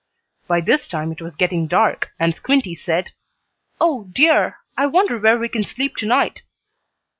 By this time it was getting dark, and Squinty said: "Oh dear, I wonder where we can sleep tonight?"